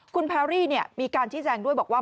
คุณแพรรี่เนี่ยมีการที่แจ้งด้วยบอกว่า